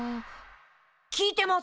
聞いてます！